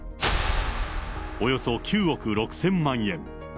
およそ９億６０００まんえん。